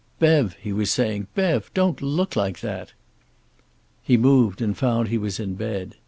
"Bev!" he was saying. "Bev! Don't look like that!" He moved and found he was in bed.